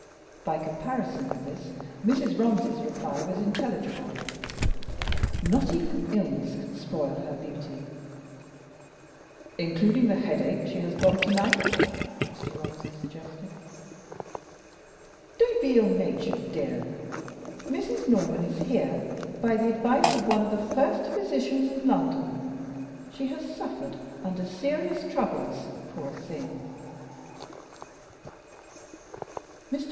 By comparison with this, Mrs. Romsey's reply was intelligible. "Not even illness can spoil her beauty!" "Including the headache she has got to night?" Mr. Romsey suggested. "Don't be ill natured, dear! Mrs. Norman is here by the advice of one of the first physicians in London; she has suffered under serious troubles, poor thing."